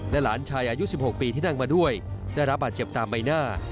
หลานชายอายุ๑๖ปีที่นั่งมาด้วยได้รับบาดเจ็บตามใบหน้า